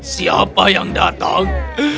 siapa yang datang